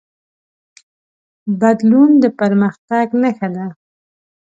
بدلون د پرمختګ نښه ده.